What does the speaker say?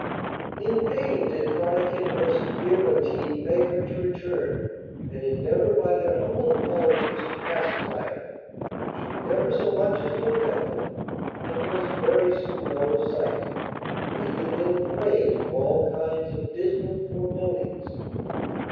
In vain did Farda Kinbras and Birbantine beg her to return, and endeavour by their humble apologies to pacify her; she never so much as looked at them, and was very soon out of sight, leaving them a prey to all kinds of dismal forebodings.